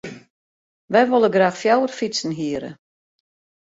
Wy wolle graach fjouwer fytsen hiere.